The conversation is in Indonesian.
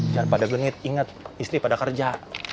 jangan pada genit ingat istri pada kerja